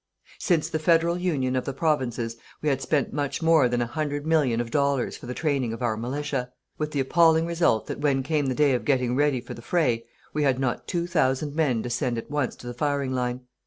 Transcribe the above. Since the federal Union of the Provinces we had spent much more than a hundred million of dollars for the training of our militia, with the appalling result that when came the day of getting ready for the fray, we had not two thousand men to send at once to the firing line.